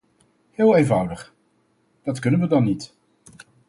Heel eenvoudig, dat kunnen we dan niet.